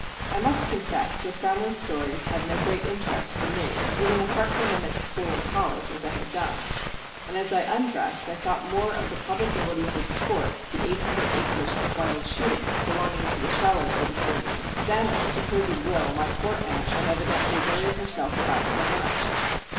I must confess that family stories had no great interest for me, living apart from them at school and college as I had done; and as I undressed I thought more of the probabilities of sport the eight hundred acres of wild shooting belonging to The Shallows would afford me, than of the supposed will my poor aunt had evidently worried herself about so much.